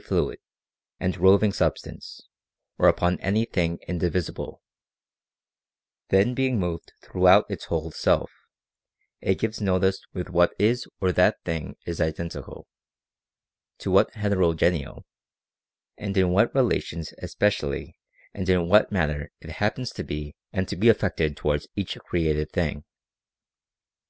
fluid and roving substance or upon any thing indivisible, then being moved throughout its whole self, it gives notice with what this or that thing is identical, to what hetero geneal, and in what relations especially and in what man ner it happens to be and to be affected towards each created thing."